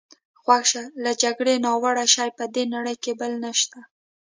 غوږ شه، له جګړې ناوړه شی په دې نړۍ کې بل نشته.